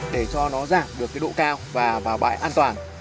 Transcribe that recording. để cho nó giảm được cái độ cao và vào bãi an toàn